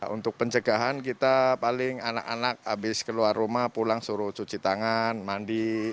untuk pencegahan kita paling anak anak habis keluar rumah pulang suruh cuci tangan mandi